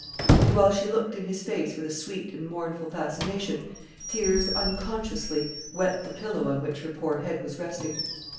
And while she looked in his face with a sweet and mournful fascination, tears unconsciously wet the pillow on which her poor head was resting.